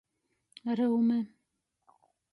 Ryume.